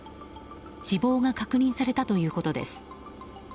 死亡が確認されたということです。